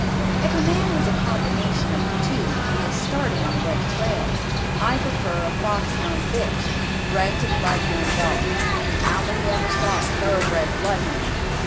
If a man has a combination of the two he is starting on the right trail. I prefer a fox hound bitch bred to bloodhound dog. How many ever saw a thoroughbred bloodhound?